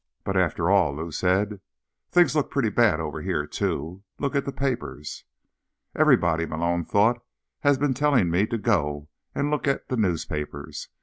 _ "But, after all," Lou said, "things look pretty bad over here, too. Look at the papers." Everybody, Malone thought, _has been telling me to go and look at the newspapers.